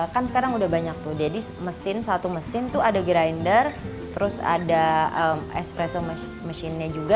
kan sekarang udah banyak tuh jadi satu mesin tuh ada grinder terus ada espresso mesinnya juga